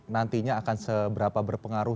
nantinya akan seberapa berpengaruh